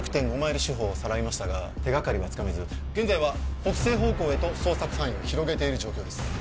マイル四方をさらいましたが手がかりはつかめず現在は北西方向へと捜索範囲を広げている状況です